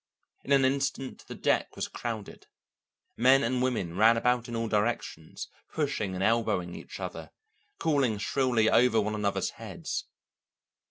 In an instant the deck was crowded. Men and women ran about in all directions, pushing and elbowing each other, calling shrilly over one another's heads.